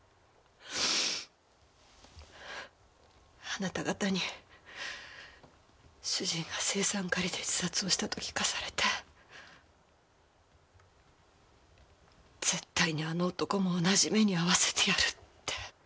あなた方に主人が青酸カリで自殺をしたと聞かされて絶対にあの男も同じ目に遭わせてやるって。